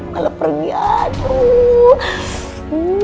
malah pergi aduh